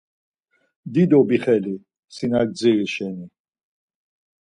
Dido bixeli si na gdziri şeni.